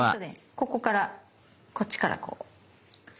ここからこっちからこう。